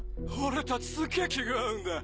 俺たちすげぇ気が合うんだ。